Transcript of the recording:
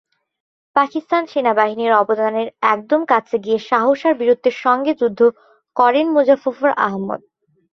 পাকিস্তান সেনাবাহিনীর অবস্থানের একদম কাছে গিয়ে সাহস আর বীরত্বের সঙ্গে যুদ্ধ করেন মোজাফফর আহমদ।